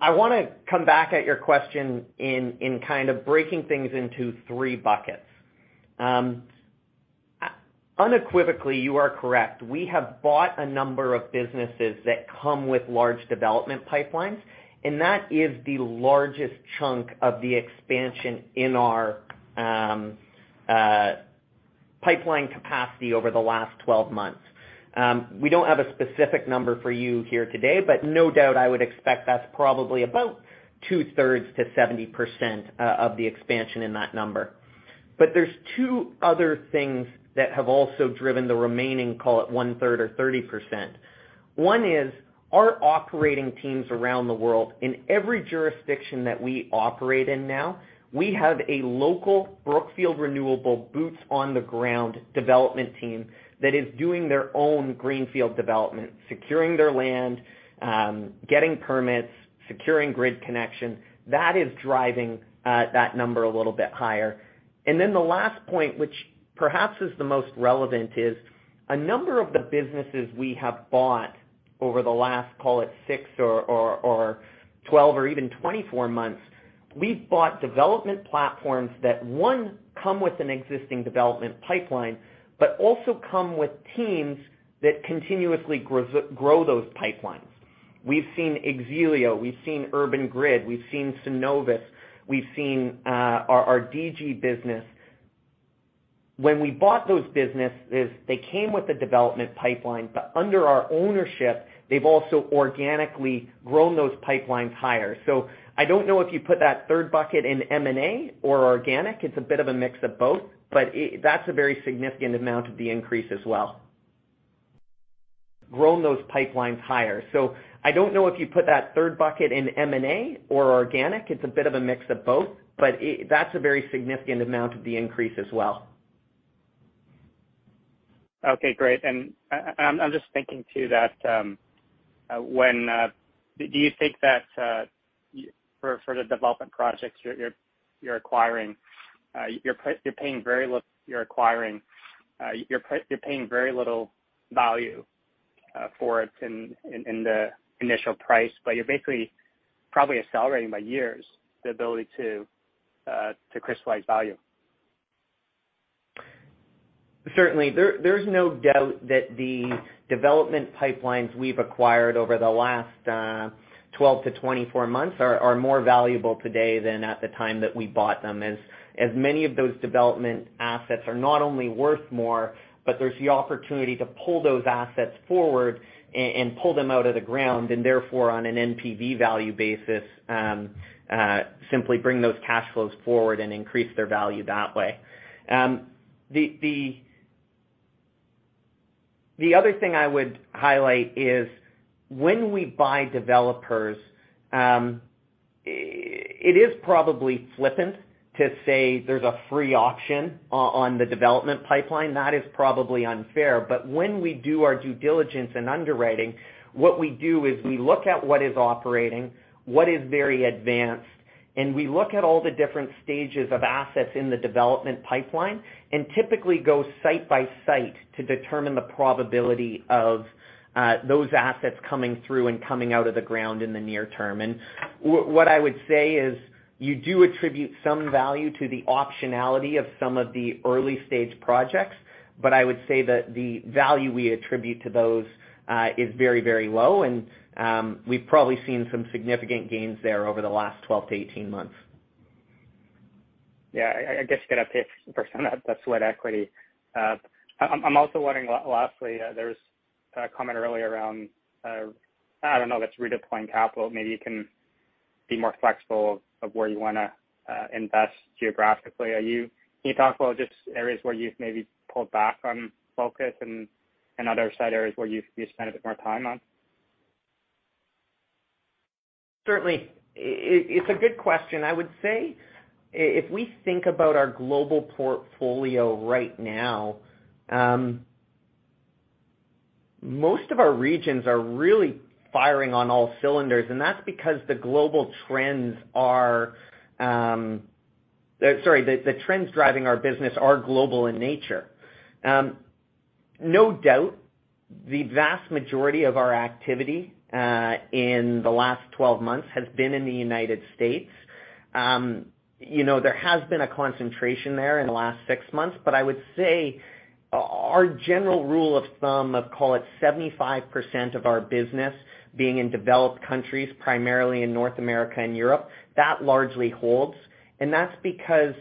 Speaker 2: I wanna come back at your question in kind of breaking things into three buckets. Unequivocally, you are correct. We have bought a number of businesses that come with large development pipelines, and that is the largest chunk of the expansion in our pipeline capacity over the last 12 months. We don't have a specific number for you here today, but no doubt I would expect that's probably about two-thirds to 70% of the expansion in that number. There's two other things that have also driven the remaining, call it one-third or 30%. One is our operating teams around the world. In every jurisdiction that we operate in now, we have a local Brookfield Renewable boots on the ground development team that is doing their own greenfield development, securing their land, getting permits, securing grid connection. That is driving that number a little bit higher. The last point, which perhaps is the most relevant, is a number of the businesses we have bought over the last, call it six or 12 or even 24 months. We've bought development platforms that one, come with an existing development pipeline, but also come with teams that continuously grow those pipelines. We've seen X-Elio, we've seen Urban Grid, we've seen Synovus, we've seen our DG business. When we bought those businesses, they came with a development pipeline. Under our ownership, they've also organically grown those pipelines higher.I don't know if you put that third bucket in M&A or organic. It's a bit of a mix of both, but that's a very significant amount of the increase as well. Grown those pipelines higher.
Speaker 8: Okay, great. I'm just thinking too that, do you think that for the development projects you're acquiring, you're paying very little value for it in the initial price, but you're basically probably accelerating by years the ability to crystallize value.
Speaker 2: Certainly. There's no doubt that the development pipelines we've acquired over the last 12-24 months are more valuable today than at the time that we bought them, as many of those development assets are not only worth more, but there's the opportunity to pull those assets forward and pull them out of the ground, and therefore, on an NPV value basis, simply bring those cash flows forward and increase their value that way. The other thing I would highlight is when we buy developers, it is probably flippant to say there's a free option on the development pipeline. That is probably unfair. When we do our due diligence and underwriting, what we do is we look at what is operating, what is very advanced, and we look at all the different stages of assets in the development pipeline, and typically go site by site to determine the probability of those assets coming through and coming out of the ground in the near term. What I would say is you do attribute some value to the optionality of some of the early-stage projects, but I would say that the value we attribute to those is very, very low, and we've probably seen some significant gains there over the last 12-18 months.
Speaker 8: Yeah, I guess you gotta pay for some of that sweat equity. I'm also wondering, lastly, there was a comment earlier around, I don't know if it's redeploying capital. Maybe you can be more flexible of where you wanna invest geographically. Can you talk about just areas where you've maybe pulled back on focus and other side areas where you spend a bit more time on?
Speaker 2: Certainly. It's a good question. I would say if we think about our global portfolio right now, most of our regions are really firing on all cylinders, and that's because the trends driving our business are global in nature. No doubt, the vast majority of our activity in the last 12 months has been in the United States. You know, there has been a concentration there in the last six months, but I would say our general rule of thumb of, call it 75% of our business being in developed countries, primarily in North America and Europe, that largely holds. That's because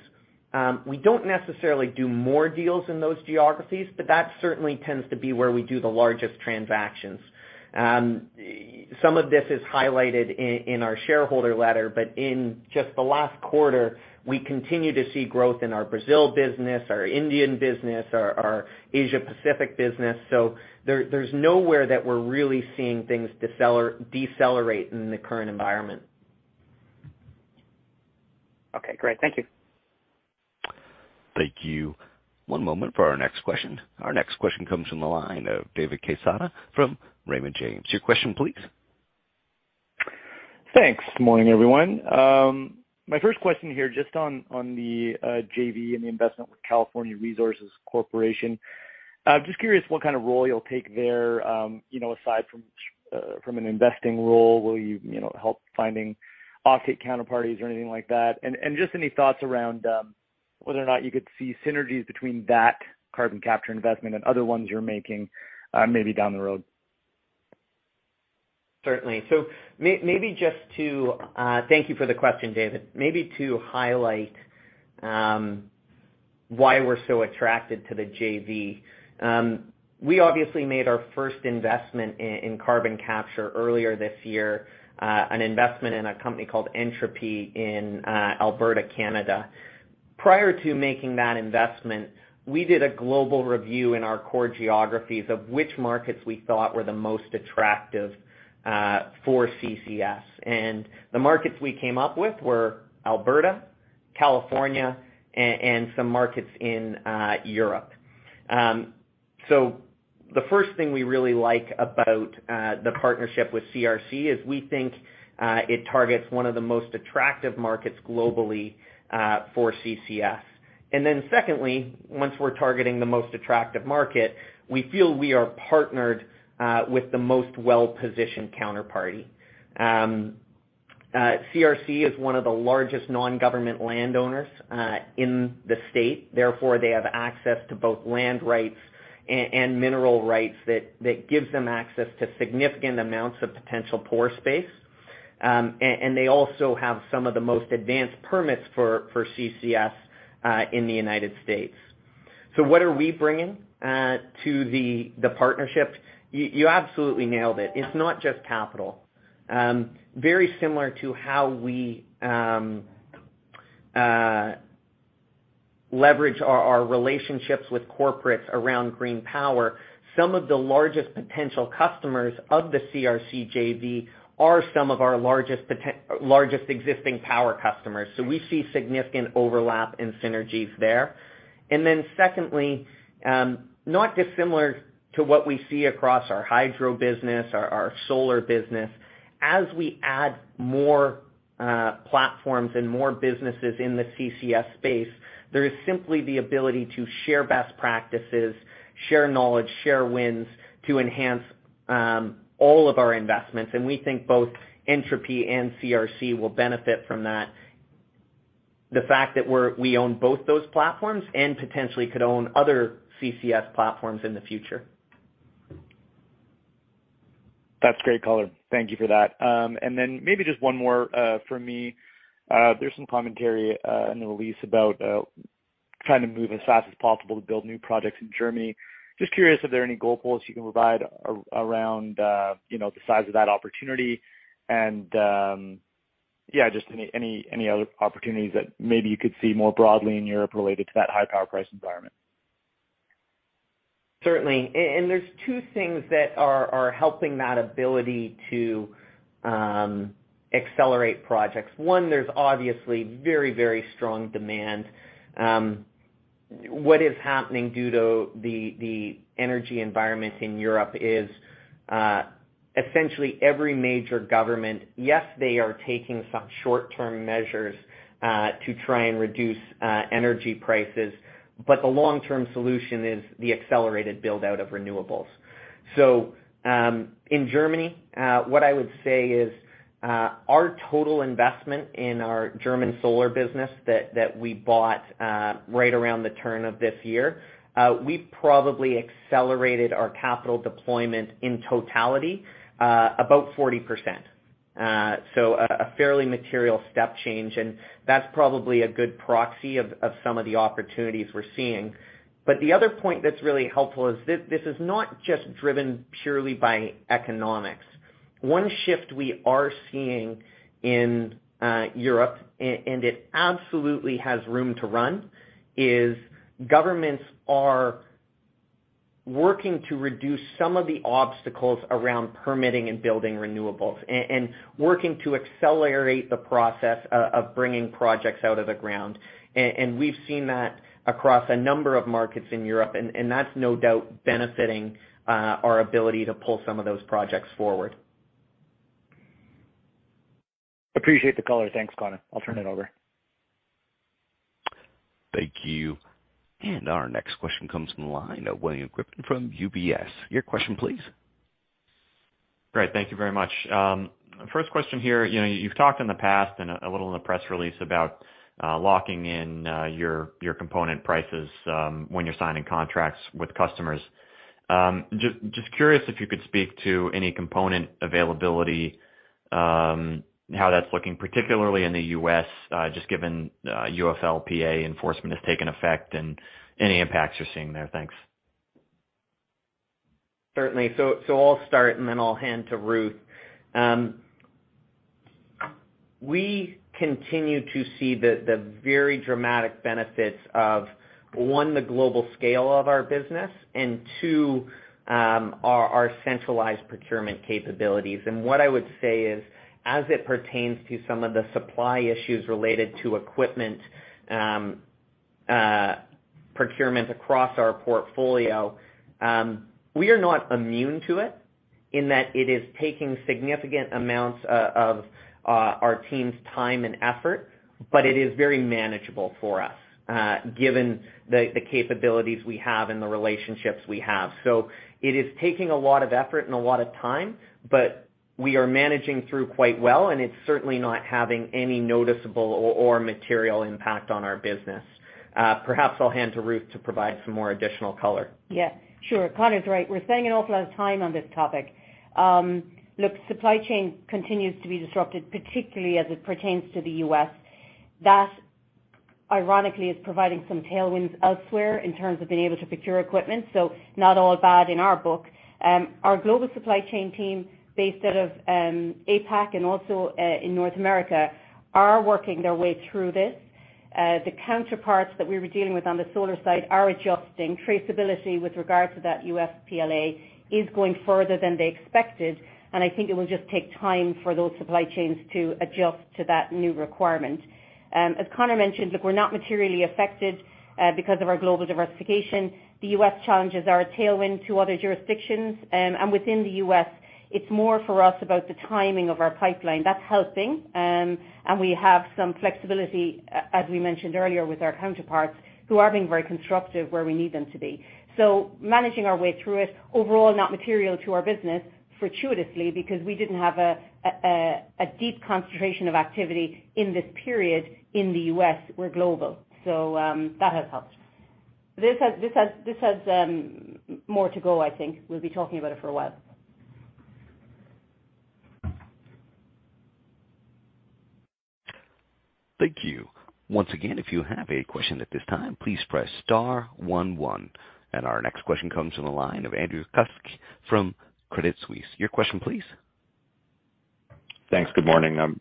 Speaker 2: we don't necessarily do more deals in those geographies, but that certainly tends to be where we do the largest transactions. Some of this is highlighted in our shareholder letter, but in just the last quarter, we continue to see growth in our Brazil business, our Indian business, our Asia Pacific business. There's nowhere that we're really seeing things decelerate in the current environment.
Speaker 8: Okay, great. Thank you.
Speaker 1: Thank you. One moment for our next question. Our next question comes from the line of David Quezada from Raymond James. Your question, please.
Speaker 9: Thanks. Morning, everyone. My first question here, just on the JV and the investment with California Resources Corporation. I'm just curious what kind of role you'll take there, you know, aside from an investing role. Will you know, help finding offtake counterparties or anything like that? Just any thoughts around whether or not you could see synergies between that carbon capture investment and other ones you're making, maybe down the road.
Speaker 2: Certainly. Just to thank you for the question, David. Maybe to highlight why we're so attracted to the JV. We obviously made our first investment in carbon capture earlier this year, an investment in a company called Entropy in Alberta, Canada. Prior to making that investment, we did a global review in our core geographies of which markets we thought were the most attractive for CCS. The markets we came up with were Alberta, California, and some markets in Europe. The first thing we really like about the partnership with CRC is we think it targets one of the most attractive markets globally for CCS. Secondly, once we're targeting the most attractive market, we feel we are partnered with the most well-positioned counterparty. CRC is one of the largest non-government landowners in the state. Therefore, they have access to both land rights and mineral rights that gives them access to significant amounts of potential pore space. They also have some of the most advanced permits for CCS in the United States. What are we bringing to the partnership? You absolutely nailed it. It's not just capital. Very similar to how we leverage our relationships with corporates around green power. Some of the largest potential customers of the CRC JV are some of our largest existing power customers. We see significant overlap and synergies there. Then secondly, not dissimilar to what we see across our hydro business, our solar business. As we add more platforms and more businesses in the CCS space, there is simply the ability to share best practices, share knowledge, share wins to enhance all of our investments. We think both Entropy and CRC will benefit from that. The fact that we own both those platforms and potentially could own other CCS platforms in the future.
Speaker 9: That's great color. Thank you for that. Maybe just one more from me. There's some commentary in the release about trying to move as fast as possible to build new projects in Germany. Just curious if there are any goalposts you can provide around, you know, the size of that opportunity. Yeah, just any other opportunities that maybe you could see more broadly in Europe related to that high power price environment.
Speaker 2: Certainly. There's two things that are helping that ability to accelerate projects. One, there's obviously very, very strong demand. What is happening due to the energy environment in Europe is essentially every major government. Yes, they are taking some short-term measures to try and reduce energy prices, but the long-term solution is the accelerated build-out of renewables. In Germany, what I would say is our total investment in our German solar business that we bought right around the turn of this year, we probably accelerated our capital deployment in totality about 40%. A fairly material step change, and that's probably a good proxy of some of the opportunities we're seeing. The other point that's really helpful is this is not just driven purely by economics. One shift we are seeing in Europe, and it absolutely has room to run, is governments are working to reduce some of the obstacles around permitting and building renewables and working to accelerate the process of bringing projects out of the ground. We've seen that across a number of markets in Europe, and that's no doubt benefiting our ability to pull some of those projects forward.
Speaker 9: Appreciate the color. Thanks, Connor. I'll turn it over.
Speaker 1: Thank you. Our next question comes from the line of William Grippin from UBS. Your question please.
Speaker 10: Great. Thank you very much. First question here. You know, you've talked in the past and a little in the press release about locking in your component prices when you're signing contracts with customers. Just curious if you could speak to any component availability, how that's looking, particularly in the U.S., just given UFLPA enforcement has taken effect and any impacts you're seeing there. Thanks.
Speaker 2: Certainly. I'll start and then I'll hand to Ruth. We continue to see the very dramatic benefits of, one, the global scale of our business, and two, our centralized procurement capabilities. What I would say is, as it pertains to some of the supply issues related to equipment, procurement across our portfolio, we are not immune to it in that it is taking significant amounts of our team's time and effort, but it is very manageable for us, given the capabilities we have and the relationships we have. It is taking a lot of effort and a lot of time, but we are managing through quite well, and it's certainly not having any noticeable or material impact on our business. Perhaps I'll hand to Ruth to provide some more additional color.
Speaker 3: Yeah, sure. Connor's right. We're spending an awful lot of time on this topic. Look, supply chain continues to be disrupted, particularly as it pertains to the U.S. That ironically is providing some tailwinds elsewhere in terms of being able to procure equipment. Not all bad in our book. Our global supply chain team, based out of APAC and also in North America, are working their way through this. The counterparts that we were dealing with on the solar side are adjusting. Traceability with regard to that UFLPA is going further than they expected, and I think it will just take time for those supply chains to adjust to that new requirement. As Connor mentioned, look, we're not materially affected because of our global diversification. The U.S. challenges are a tailwind to other jurisdictions. Within the U.S., it's more for us about the timing of our pipeline. That's helping. We have some flexibility, as we mentioned earlier, with our counterparts who are being very constructive where we need them to be. Managing our way through it, overall not material to our business, fortuitously, because we didn't have a deep concentration of activity in this period in the U.S. We're global. That has helped. This has more to go, I think. We'll be talking about it for a while.
Speaker 1: Thank you. Once again, if you have a question at this time, please press star one one. Our next question comes from the line of Andrew Kuske from Credit Suisse. Your question please.
Speaker 11: Thanks. Good morning.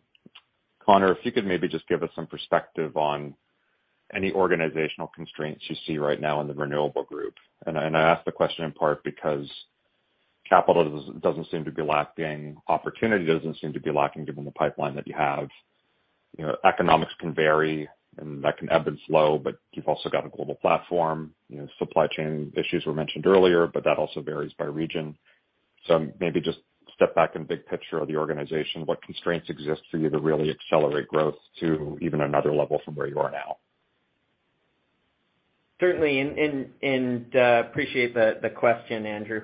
Speaker 11: Connor, if you could maybe just give us some perspective on any organizational constraints you see right now in the renewable group. I ask the question in part because capital doesn't seem to be lacking, opportunity doesn't seem to be lacking given the pipeline that you have. You know, economics can vary, and that can ebb and flow, but you've also got a global platform. You know, supply chain issues were mentioned earlier, but that also varies by region. Maybe just step back in big picture of the organization, what constraints exist for you to really accelerate growth to even another level from where you are now?
Speaker 2: Certainly appreciate the question, Andrew.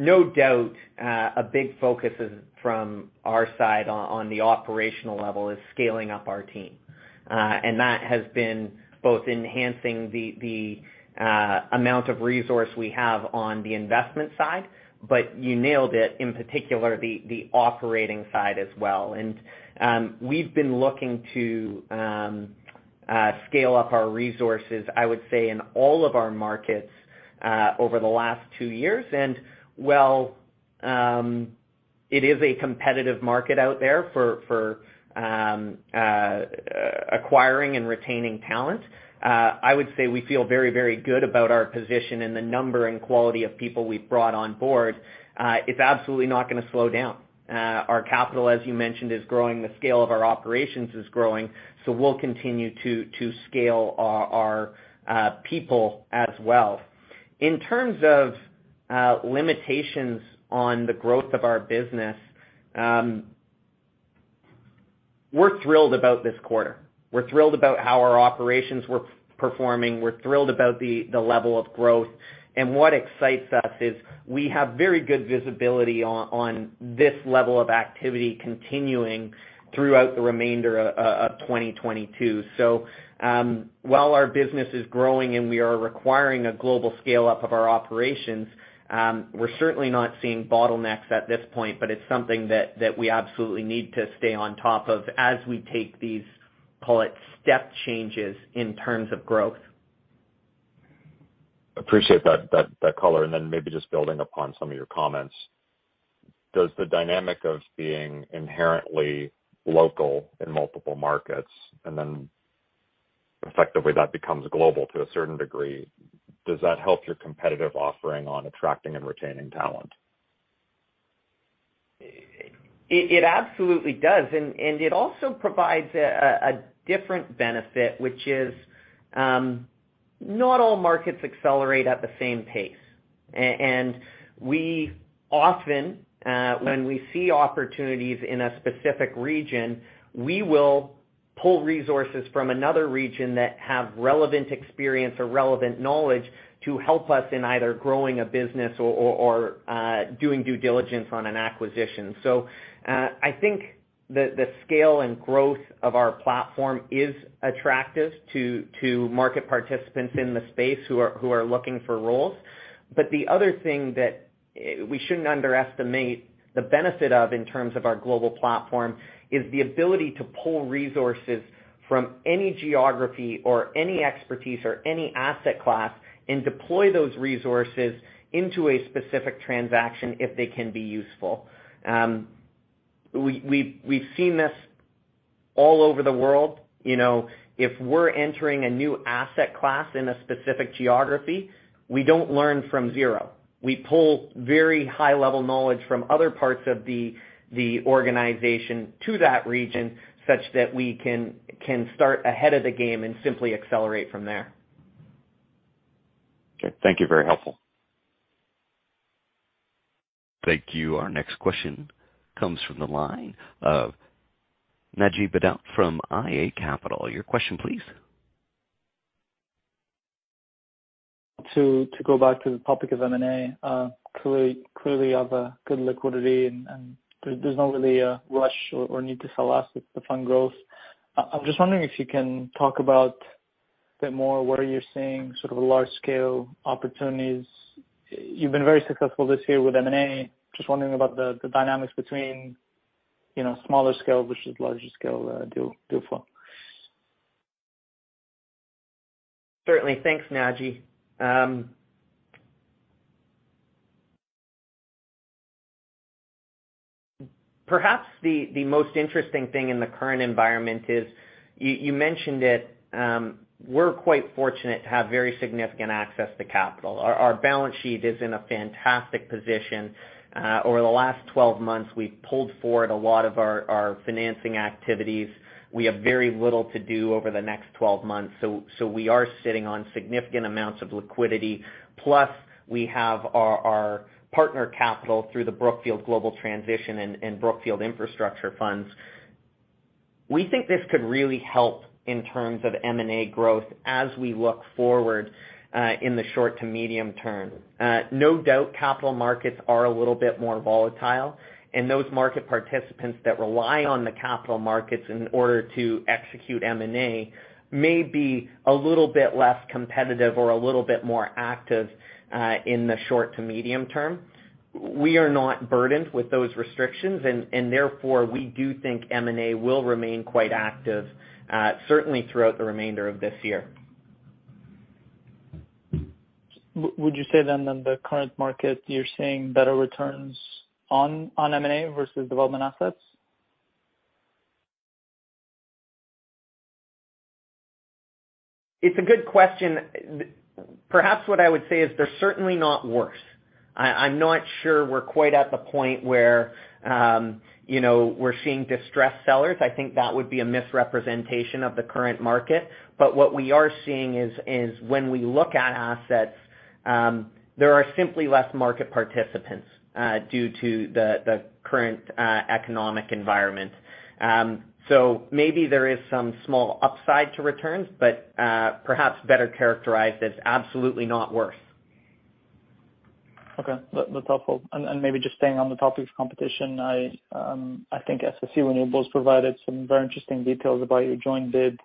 Speaker 2: No doubt, a big focus from our side on the operational level is scaling up our team. That has been both enhancing the amount of resource we have on the investment side, but you nailed it, in particular, the operating side as well. We've been looking to scale up our resources, I would say, in all of our markets, over the last two years. While it is a competitive market out there for acquiring and retaining talent, I would say we feel very good about our position and the number and quality of people we've brought on board. It's absolutely not gonna slow down. Our capital, as you mentioned, is growing. The scale of our operations is growing. We'll continue to scale our people as well. In terms of limitations on the growth of our business, we're thrilled about this quarter. We're thrilled about how our operations were performing. We're thrilled about the level of growth. What excites us is we have very good visibility on this level of activity continuing throughout the remainder of 2022. While our business is growing and we are requiring a global scale-up of our operations, we're certainly not seeing bottlenecks at this point, but it's something that we absolutely need to stay on top of as we take these, call it, step changes in terms of growth.
Speaker 11: Appreciate that color, and then maybe just building upon some of your comments. Does the dynamic of being inherently local in multiple markets, and then effectively that becomes global to a certain degree, does that help your competitive offering on attracting and retaining talent?
Speaker 2: It absolutely does, and it also provides a different benefit, which is, not all markets accelerate at the same pace. We often, when we see opportunities in a specific region, will pull resources from another region that have relevant experience or relevant knowledge to help us in either growing a business or doing due diligence on an acquisition. I think the scale and growth of our platform is attractive to market participants in the space who are looking for roles. The other thing that we shouldn't underestimate the benefit of in terms of our global platform is the ability to pull resources from any geography or any expertise or any asset class and deploy those resources into a specific transaction if they can be useful. We've seen this all over the world. You know, if we're entering a new asset class in a specific geography, we don't learn from zero. We pull very high-level knowledge from other parts of the organization to that region such that we can start ahead of the game and simply accelerate from there.
Speaker 11: Okay. Thank you. Very helpful.
Speaker 1: Thank you. Our next question comes from the line of Naji Baydoun from iA Capital Markets. Your question please.
Speaker 12: To go back to the topic of M&A, clearly you have a good liquidity and there's not really a rush or need to sell assets to fund growth. I'm just wondering if you can talk about a bit more what are you seeing, sort of large-scale opportunities. You've been very successful this year with M&A. Just wondering about the dynamics between, you know, smaller scale versus larger scale, deal flow.
Speaker 2: Certainly. Thanks, Naji. Perhaps the most interesting thing in the current environment is, you mentioned it, we're quite fortunate to have very significant access to capital. Our balance sheet is in a fantastic position. Over the last 12 months, we've pulled forward a lot of our financing activities. We have very little to do over the next 12 months. So we are sitting on significant amounts of liquidity. Plus, we have our partner capital through the Brookfield Global Transition and Brookfield Infrastructure funds. We think this could really help in terms of M&A growth as we look forward in the short to medium term. No doubt, capital markets are a little bit more volatile, and those market participants that rely on the capital markets in order to execute M&A may be a little bit less competitive or a little bit more active, in the short to medium term. We are not burdened with those restrictions and therefore, we do think M&A will remain quite active, certainly throughout the remainder of this year.
Speaker 12: Would you say in the current market, you're seeing better returns on M&A versus development assets?
Speaker 2: It's a good question. Perhaps what I would say is they're certainly not worse. I'm not sure we're quite at the point where, you know, we're seeing distressed sellers. I think that would be a misrepresentation of the current market. What we are seeing is when we look at assets, there are simply less market participants, due to the current economic environment. Maybe there is some small upside to returns, but perhaps better characterized as absolutely not worse.
Speaker 12: Okay. That's helpful. Maybe just staying on the topic of competition. I think SSE Renewables provided some very interesting details about your joint bid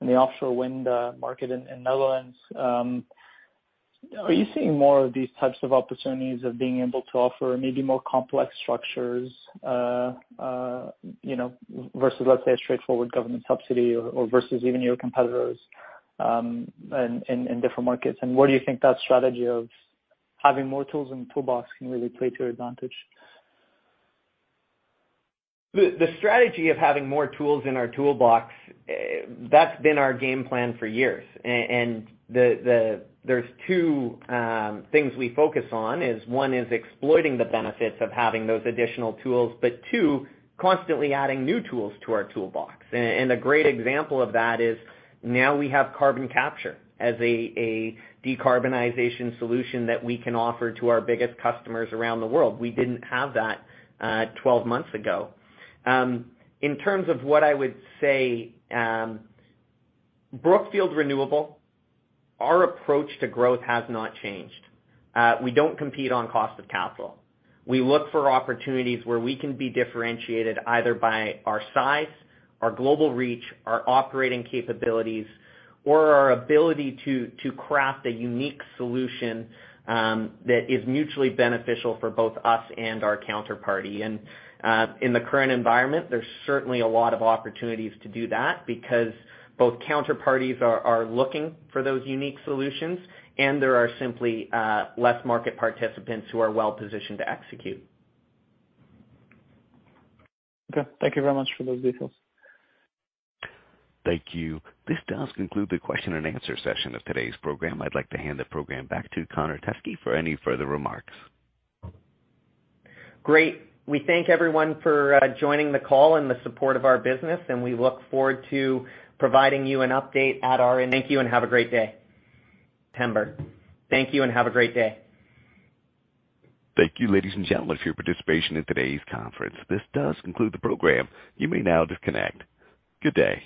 Speaker 12: in the offshore wind market in Netherlands. Are you seeing more of these types of opportunities of being able to offer maybe more complex structures, you know, versus, let's say, a straightforward government subsidy or versus even your competitors in different markets? Where do you think that strategy of having more tools in the toolbox can really play to your advantage?
Speaker 2: The strategy of having more tools in our toolbox, that's been our game plan for years. There are two things we focus on, one is exploiting the benefits of having those additional tools, but two, constantly adding new tools to our toolbox. A great example of that is now we have carbon capture as a decarbonization solution that we can offer to our biggest customers around the world. We didn't have that 12 months ago. In terms of what I would say, Brookfield Renewable, our approach to growth has not changed. We don't compete on cost of capital. We look for opportunities where we can be differentiated either by our size, our global reach, our operating capabilities, or our ability to craft a unique solution that is mutually beneficial for both us and our counterparty. In the current environment, there's certainly a lot of opportunities to do that because both counterparties are looking for those unique solutions, and there are simply less market participants who are well-positioned to execute.
Speaker 12: Okay. Thank you very much for those details.
Speaker 1: Thank you. This does conclude the Q&A session of today's program. I'd like to hand the program back to Connor Teskey for any further remarks.
Speaker 2: Great. We thank everyone for joining the call and the support of our business, and we look forward to providing you an update at our September. Thank you, and have a great day. Thank you and have a great day.
Speaker 1: Thank you, ladies and gentlemen, for your participation in today's conference. This does conclude the program. You may now disconnect. Good day.